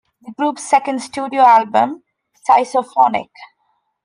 The group's second studio album, Schizophonic!